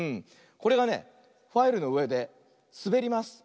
これがねファイルのうえですべります。